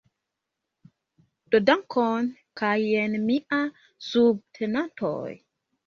Do dankon kaj jen mia subtenantoj